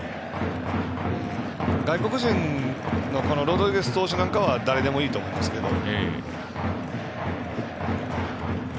外国人のロドリゲス投手なんかは誰でもいいと思いますけど。